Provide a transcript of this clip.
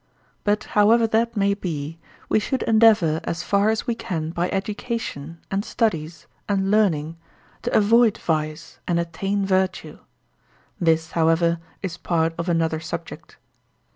But however that may be, we should endeavour as far as we can by education, and studies, and learning, to avoid vice and attain virtue; this, however, is part of another subject.